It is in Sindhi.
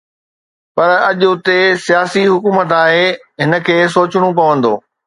پر اڄ اتي سياسي حڪومت آهي“ هن کي سوچڻو پوندو